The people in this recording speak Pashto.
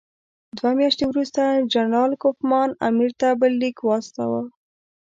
دوه میاشتې وروسته جنرال کوفمان امیر ته بل لیک واستاوه.